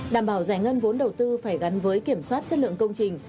đảm bảo giải ngân vốn đầu tư phải gắn với kiểm soát chất lượng công trình